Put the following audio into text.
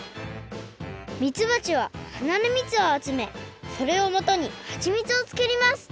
みつばちは花のみつをあつめそれをもとにはちみつをつくります。